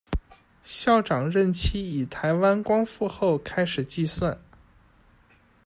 校长任期以台湾光复后开始计算。